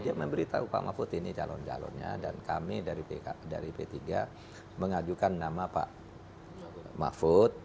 dia memberitahu pak mahfud ini calon calonnya dan kami dari p tiga mengajukan nama pak mahfud